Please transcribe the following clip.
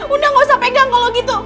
udah gak usah pegang kalau gitu